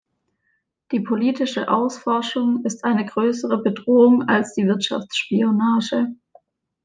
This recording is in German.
Die politische Ausforschung ist eine größere Bedrohung als die Wirtschaftsspionage.